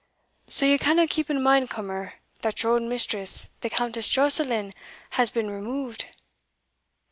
So ye canna keep in mind, cummer, that your auld mistress, the Countess Joscelin, has been removed?"